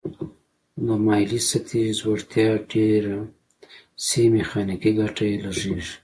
د مایلې سطحې ځوړتیا ډیره شي میخانیکي ګټه یې لږیږي.